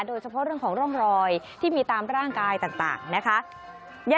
โดยเฉพาะเรื่องของร่องรอยที่มีตามร่างกายต่างนะคะ